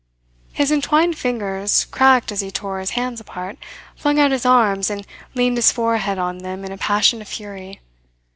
His entwined fingers cracked as he tore his hands apart, flung out his arms, and leaned his forehead on them in a passion of fury.